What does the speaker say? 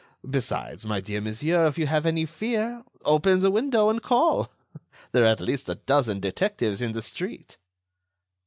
Besides, my dear monsieur if you have any fear, open the window and call. There are at least a dozen detectives in the street."